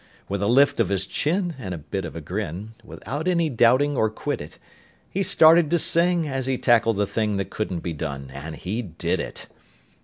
With a lift of his chin and a bit of a grin, Without any doubting or quiddit, He started to sing as he tackled the thing That couldn't be done, and he did it.